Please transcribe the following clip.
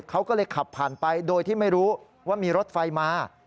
เขาก็เลยขับผ่านไปโดยที่ไม่รู้ว่ามีรถไฟมา